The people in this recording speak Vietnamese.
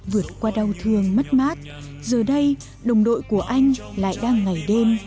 vượt qua đau thương mất mát giờ đây đồng đội của anh lại đang ngày đêm